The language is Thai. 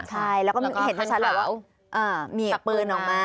ใช่แล้วก็เห็นทันเฉลาเอ่อมีกับปืนออกมา